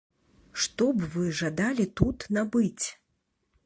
Што б вы жадалі тут набыць?